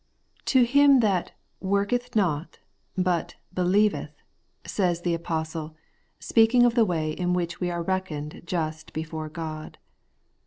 ' fTlO him that worketh not, but helieveth' says the L apostle, speaking of the way in which we are reckoned just before God.